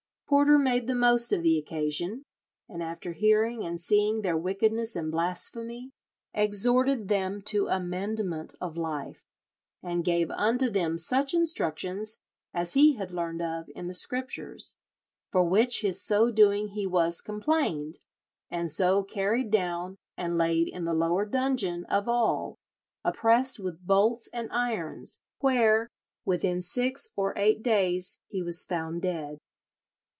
Porter made the most of the occasion, and after hearing and seeing their wickedness and blasphemy, exhorted them to amendment of life, and "gave unto them such instructions as he had learned of in the Scriptures; for which his so doing he was complained, and so carried down and laid in the lower dungeon of all, oppressed with bolts and irons, where, within six or eight days, he was found dead."